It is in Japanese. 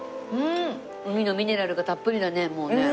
海のミネラルがたっぷりだねもうね。